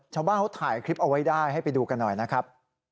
ชาวบ้านเขาถ่ายคลิปเอาไว้ได้ให้ไปดูกันหน่อยนะครับ